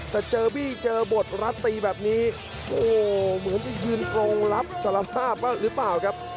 แต่เจอพี่เจอบทรัศน์ตีแบบนี้โหเหมือนจะยืนโครงรับแต่ละราบหรือเปล่าครับ